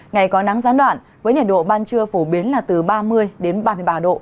ngày có nắng gián đoạn với nhiệt độ ban trưa phổ biến là từ ba mươi đến ba mươi ba độ